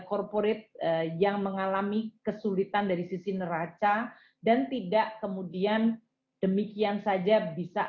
corporate yang mengalami kesulitan dari sisi neraca dan tidak kemudian demikian saja bisa